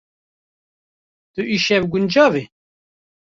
Tu îşev guncav î?